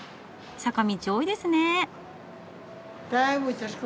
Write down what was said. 坂道多いですね。